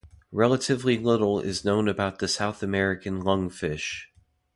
Relatively little is known about the South American lungfish.